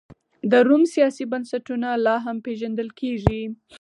د روم سیاسي بنسټونه لا هم پېژندل کېږي.